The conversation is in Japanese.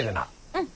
うん。